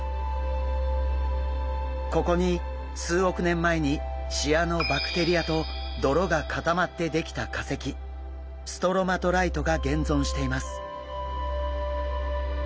ここに数億年前にシアノバクテリアと泥が固まってできた化石ストロマトライトが現存しています。